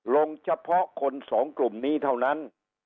ลงเฉพาะคนสองกลุ่มนี้เท่านั้น